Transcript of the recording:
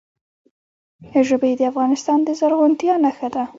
ژبې د افغانستان د زرغونتیا نښه ده.